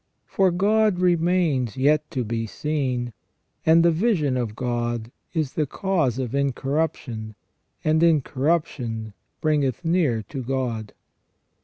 For God remains yet to be seen, and the vision of God is the Cause of incorruption, and " incorruption bringeth near to God